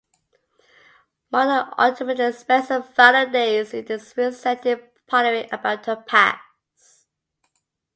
Martha ultimately spends her final days in this rural setting pondering about her past.